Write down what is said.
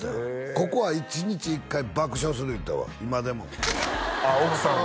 ここは１日１回爆笑する言うてたわ今でもあっ奥さんが？